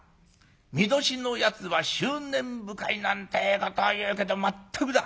巳年のやつは執念深いなんてえことを言うけどまったくだ。